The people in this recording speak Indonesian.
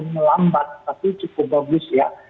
melambat tapi cukup bagus ya